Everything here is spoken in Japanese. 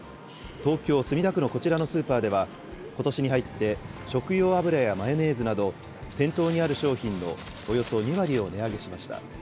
東京・墨田区のこちらのスーパーでは、ことしに入って食用油やマヨネーズなど、店頭にある商品のおよそ２割を値上げしました。